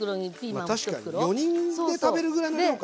まあ確かに４人で食べるぐらいの量か。